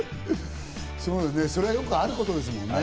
それはよくあることですもんね。